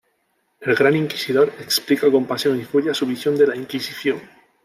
El Gran Inquisidor explica con pasión y furia su visión de la Inquisición.